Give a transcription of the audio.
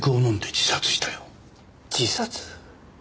自殺？